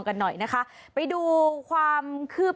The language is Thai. ฮัลโหลฮัลโหลฮัลโหล